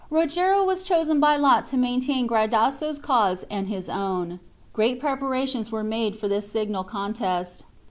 Rogero was chosen by lot to maintain Gradasso's cause and his own. Great preparations were made for this signal contest.